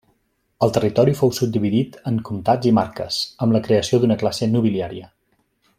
El territori fou subdividit en comtats i marques, amb la creació d'una classe nobiliària.